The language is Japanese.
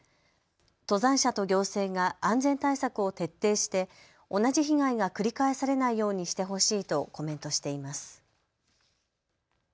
登山者と行政が安全対策を徹底して同じ被害が繰り返されないようにしてほしいとコメントしています。